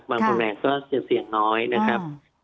บางตำแหน่งก็จะเสี่ยงน้อยนะครับ